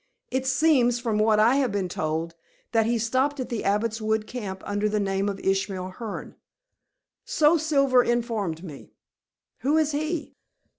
"It seems, from what I have been told, that he stopped at the Abbot's Wood camp under the name of Ishmael Hearne." "So Silver informed me." "Who is he?"